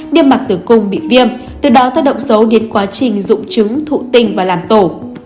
đêm mặc tử cung bị viêm từ đó tác động xấu đến quá trình dụng chứng thụ tình và làm tổ